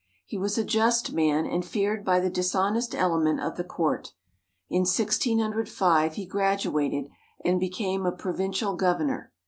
He was a just man, and feared by the dishonest element of the Court. In 1605 he graduated and became a provincial governor.